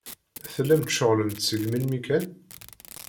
Tellamt tceɣlemt seg melmi kan?